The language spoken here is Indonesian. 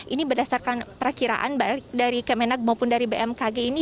ini berdasarkan perkiraan dari kemenag maupun dari bmkg ini